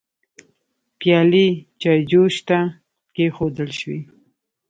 پيالې چايجوشه ته کيښودل شوې.